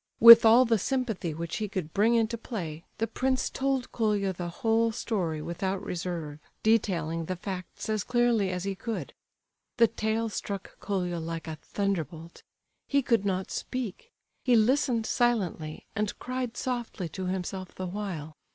With all the sympathy which he could bring into play, the prince told Colia the whole story without reserve, detailing the facts as clearly as he could. The tale struck Colia like a thunderbolt. He could not speak. He listened silently, and cried softly to himself the while.